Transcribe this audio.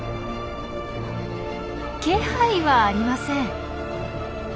気配はありません。